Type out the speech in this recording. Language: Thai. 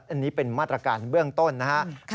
อันนี้เป็นมาตรการเบื้องต้นนะครับ